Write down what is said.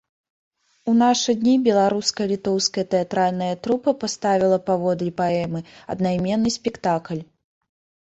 У нашы дні беларуска-літоўская тэатральная трупа паставіла паводле паэмы аднайменны спектакль.